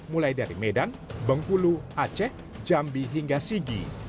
mulai dari medan bengkulu aceh jambi hingga sigi